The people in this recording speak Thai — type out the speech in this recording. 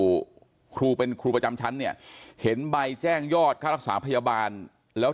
ครูครูเป็นครูประจำชั้นเนี่ยเห็นใบแจ้งยอดค่ารักษาพยาบาลแล้ว